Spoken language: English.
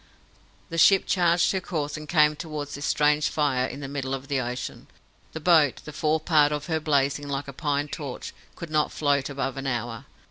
The ship changed her course, and came towards this strange fire in the middle of the ocean. The boat, the fore part of her blazing like a pine torch, could not float above an hour.